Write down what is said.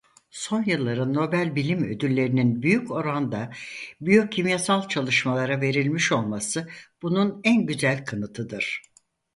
Son yılların Nobel bilim ödüllerinin büyük oranda biyokimyasal çalışmalara verilmiş olması bunun en güzel kanıtıdır.